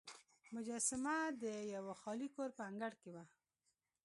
مجسمه د یوه خالي کور په انګړ کې وه.